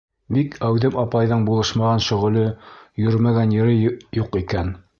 Бик әүҙем апайҙың булышмаған шөғөлө, йөрөмәгән ере юҡ икән.